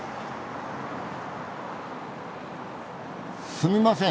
すみません。